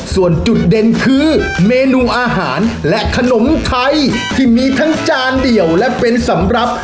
ส่วนจุดเด่นคือเมนูอาหารและขนมไทยที่มีทั้งจานเดี่ยวและเป็นสำหรับ